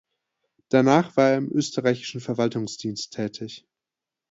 Danach war er im österreichischen Verwaltungsdienst tätig.